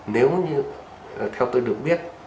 nếu như theo tôi được biết